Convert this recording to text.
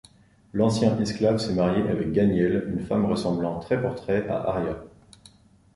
L'ancien esclave s'est marié avec Ganièle, une femme ressemblant trait pour trait à Aria.